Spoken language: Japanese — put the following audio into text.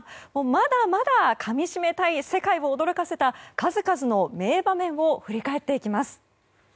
まだまだかみ締めたい世界を驚かせた数々の名場面を振り返っていきます。